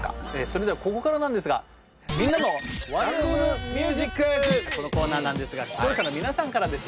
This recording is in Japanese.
それではここからなんですがこのコーナーなんですが視聴者の皆さんからですね